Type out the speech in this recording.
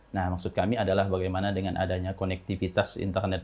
nah maksud kami adalah bagaimana dengan adanya konektivitas internet